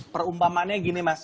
perumpamannya gini mas